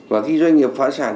và khi doanh nghiệp phá sản